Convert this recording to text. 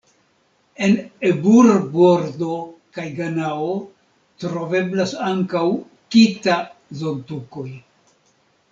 En Ebur-Bordo kaj Ganao troveblas ankaŭ "kita"-zontukoj.